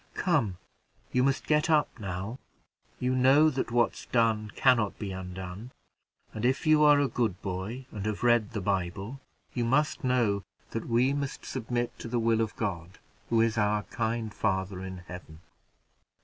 "Come, you must get up now. You know that what's done can not be undone; and if you are a good boy, and have read the Bible, you must know that we must submit to the will of God, who is our kind father in heaven."